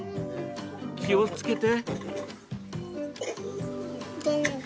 気をつけて。